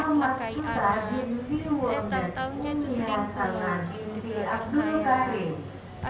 tak memakai alat tahunnya itu seringkali di belakang saya